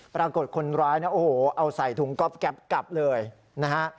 ปรากฏคนร้ายนะโอ้โหเอาใส่ถุงก๊อบแก๊ปกลับเลยนะฮะ